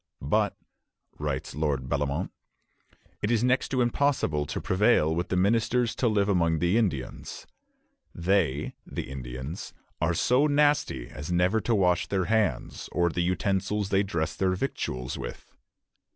"But," writes Lord Bellomont, "it is next to impossible to prevail with the ministers to live among the Indians. They [the Indians] are so nasty as never to wash their hands, or the utensils they dress their victuals with."